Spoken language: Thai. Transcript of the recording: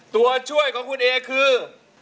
ตัวช่วยของคุณเอคือ